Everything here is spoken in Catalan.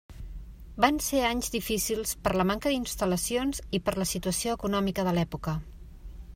Van ser anys difícils per la manca d'instal·lacions i per la situació econòmica de l'època.